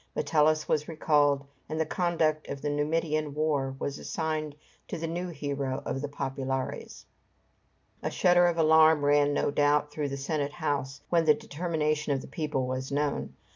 Metellus was recalled, and the conduct of the Numidian war was assigned to the new hero of the "Populares." A shudder of alarm ran, no doubt, through the Senate house, when the determination of the people was known.